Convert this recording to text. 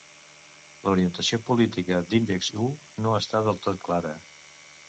L'orientació política d'Index.hu no està del tot clara.